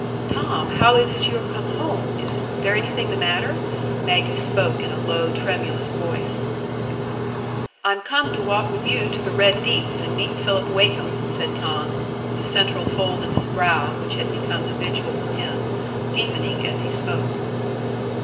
"Tom, how is it you are come home? Is there anything the matter?" Maggie spoke in a low, tremulous voice. "I'm come to walk with you to the Red Deeps, and meet Philip Wakem," said Tom, the central fold in his brow, which had become habitual with him, deepening as he spoke.